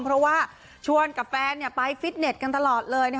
เพราะว่าชวนกับแฟนไปฟิตเน็ตกันตลอดเลย